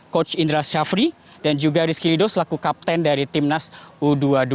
coach indra syafri dan juga rizky lido selaku kapten dari timnas u dua puluh dua